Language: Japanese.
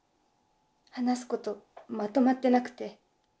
話すことまとまってなくて。